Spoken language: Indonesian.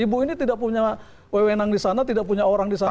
ibu ini tidak punya wewenang di sana tidak punya orang di sana